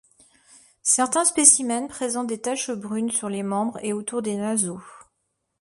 Certains spécimens présentent des taches brunes sur les membres et autour des naseaux.